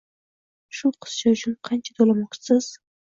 shu qizcha uchun qancha to`lamoqchisiz